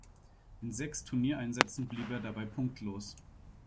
In sechs Turniereinsätzen blieb er dabei punktlos.